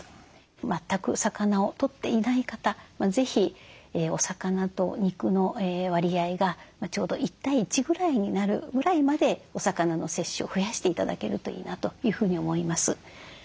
全く魚をとっていない方是非お魚と肉の割合がちょうど１対１ぐらいになるぐらいまでお魚の摂取を増やして頂けるといいなというふうに思います。